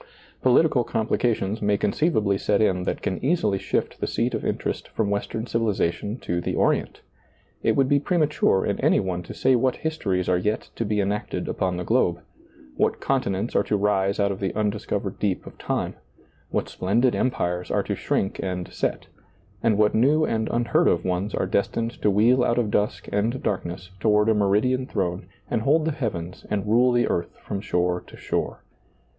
Political complications may conceiv ably set in that can easily shift the seat of interest from western civilization to the Orient. It would be premature in any one to say what histories are yet to be enacted upon the globe; what conti nents are to rise out of the undiscovered deep of time; what splendid empires are to shrink and set ; and what new and unheard of ones are des tined to wheel out of dusk and darkness toward a meridian throne and hold the heavens and rule the earth from shore to shore.